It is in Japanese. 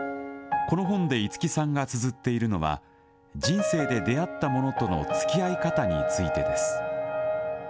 この本で五木さんがつづっているのは、人生で出会ったものとのつきあい方についてです。